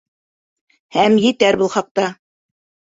Һәм етәр был хаҡта!